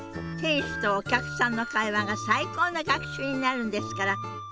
店主とお客さんの会話が最高の学習になるんですから。